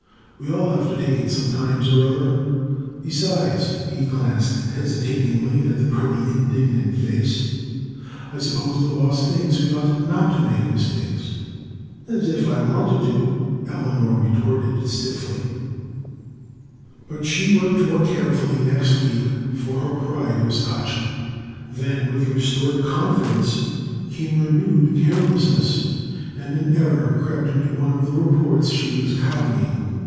"We all have to take it sometime or other. Besides," he glanced hesitatingly at the pretty, indignant face, "I suppose the boss thinks we ought not to make mistakes." "As if I wanted to!" Eleanor retorted, stiffly. But she worked more carefully the next week; for her pride was touched. Then, with restored confidence, came renewed carelessness, and an error crept into one of the reports she was copying.